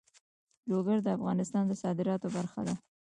لوگر د افغانستان د صادراتو برخه ده.